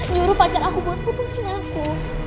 nyuruh pacar aku buat putusin aku